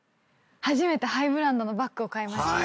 初めてハイブランドのバッグを買いました。